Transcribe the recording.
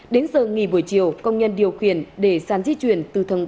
đến giờ nghỉ buổi chiều công nhân điều khiển để sàn di chuyển